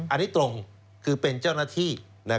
อันนี้ตรงคือเป็นเจ้าหน้าที่